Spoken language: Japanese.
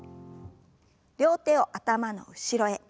両手を頭の後ろへ。